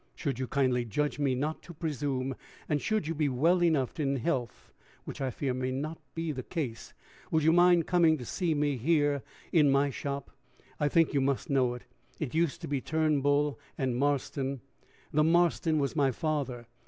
Should you kindly judge me not to presume, and should you be well enough in health, which I fear may not be the case, would you mind coming to see me here in my shop? I think you must know it it used to be Turnbull and Marston the Marston was my father.